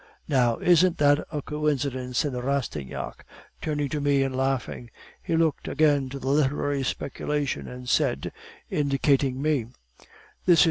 "'Now, isn't that a coincidence?' said Rastignac, turning to me and laughing. He looked again to the literary speculation, and said, indicating me: "'This is M.